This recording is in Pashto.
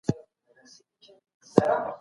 دباندي باد دی.